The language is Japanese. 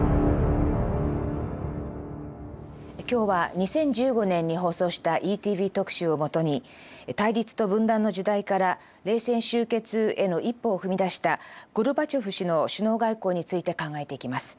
今日は２０１５年に放送した「ＥＴＶ特集」をもとに対立と分断の時代から冷戦終結への一歩を踏み出したゴルバチョフ氏の首脳外交について考えていきます。